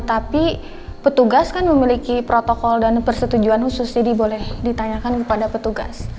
tapi petugas kan memiliki protokol dan persetujuan khusus jadi boleh ditanyakan kepada petugas